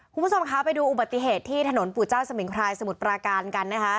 คุณผู้ชมคะไปดูอุบัติเหตุที่ถนนปู่เจ้าสมิงพรายสมุทรปราการกันนะคะ